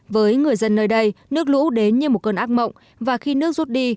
với người dân nơi đây nước lũ đến như một cơn ác mộng và khi nước rút đi